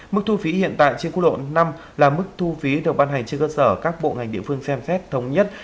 mức thu phí hiện tại trên quốc lộ năm là mức thu phí được ban hành trên cơ sở các bộ ngành địa phương xem xét thống nhất